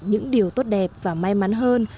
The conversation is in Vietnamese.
những điều tốt đẹp và may mắn hơn